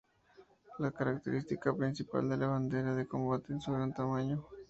La característica principal de la bandera de combate es su gran tamaño.